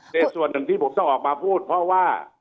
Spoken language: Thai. แต่ส่วนหนึ่งที่ผมต้องออกมาพูดเพราะว่า